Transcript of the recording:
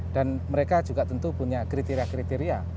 dan mereka juga tentu punya kriteria kriteria